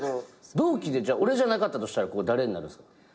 同期で俺じゃなかったとしたら誰になるんすか？